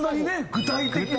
具体的な。